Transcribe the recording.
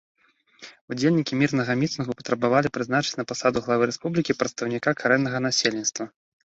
Удзельнікі мірнага мітынгу патрабавалі прызначыць на пасаду главы рэспублікі прадстаўніка карэннага насельніцтва.